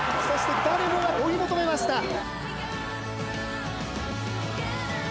そして誰もが追い求めました。